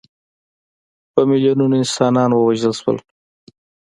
په میلیونونو انسانان ووژل شول.